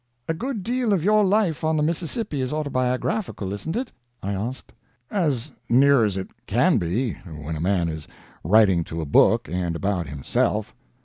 "A good deal of your life on the Mississippi is autobiographical, isn't it?" I asked. "As near as it can be—when a man is writing to a book and about himself.